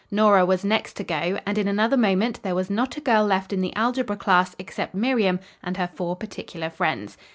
Nora was next to go and in another moment there was not a girl left in the algebra class except Miriam and her four particular friends.